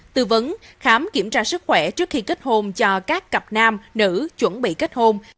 tư vấn khám kiểm tra sức khỏe trước khi kết hôn cho các cặp nam nữ chuẩn bị kết hôn